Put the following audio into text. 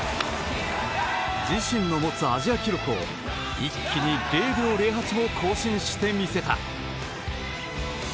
自身の持つアジア記録を一気に０秒０８も更新してみせた。